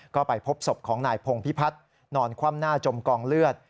ก็ไปพบศพของนายพงพิพัฒน์นอนคว่ำหน้าจมกองเลือด